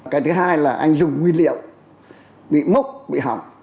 cái thứ hai là anh dùng nguyên liệu bị mốc bị hỏng